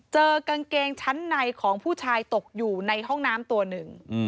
เจอกางเกงชั้นในของผู้ชายตกอยู่ในห้องน้ำตัวหนึ่ง